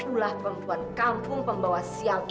inilah perempuan kampung pembawa siang ini